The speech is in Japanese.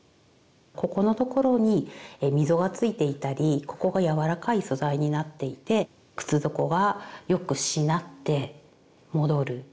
ここのところに溝がついていたりここがやわらかい素材になっていて靴底はよくしなって戻る。